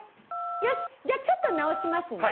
よしじゃあちょっと直しますね。